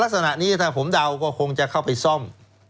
ลักษณะนี้ถ้าผมเดาก็คงจะเข้าไปซ่อม